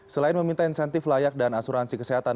selain meminta insentif layak dan asuransi kesehatan